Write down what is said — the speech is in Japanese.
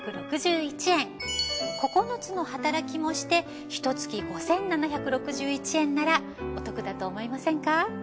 ９つの働きもしてひと月５，７６１円ならお得だと思いませんか？